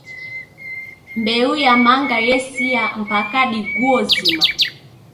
Mbeu ya manga yesia mpaka diguo zima